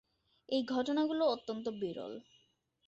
এই ঘটনাগুলো অত্যন্ত বিরল।